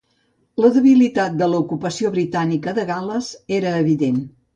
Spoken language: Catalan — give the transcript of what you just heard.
La debilitat de l'ocupació britànica de Gal·les era evident.